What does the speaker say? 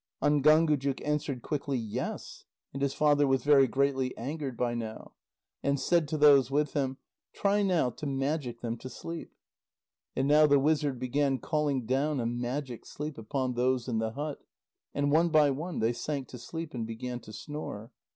Ángángujuk answered quickly: "Yes." And his father was very greatly angered by now. And said to those with him: "Try now to magic them to sleep." And now the wizard began calling down a magic sleep upon those in the hut, and one by one they sank to sleep and began to snore.